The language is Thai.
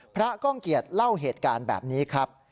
ก้องเกียจเล่าเหตุการณ์แบบนี้ครับ